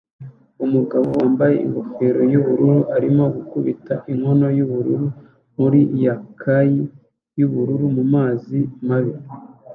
Umugabo wambaye ingofero yubururu arimo gukubita inkono yubururu muri kayaki yubururu mumazi mabi